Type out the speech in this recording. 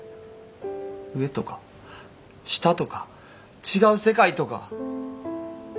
上とか下とか違う世界とか。